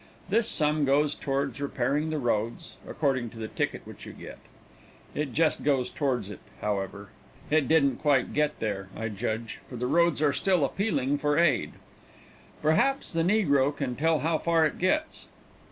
This sum goes towards repairing the roads, according to the ticket which you get. It just goes toward it, however; it don't quite get there, I judge, for the roads are still appealing for aid. Perhaps the negro can tell how far it gets.